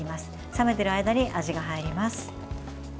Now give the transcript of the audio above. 冷めている間に味が入ります。